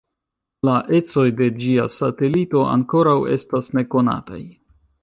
La ecoj de ĝia satelito ankoraŭ estas nekonataj.